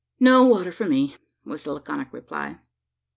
"No water for me," was the laconic reply.